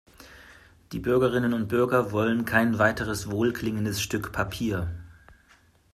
Die Bürgerinnen und Bürger wollen kein weiteres wohlklingendes Stück Papier.